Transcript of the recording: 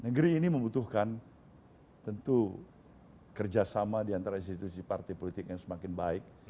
negeri ini membutuhkan tentu kerjasama di antara institusi partai politik yang semakin baik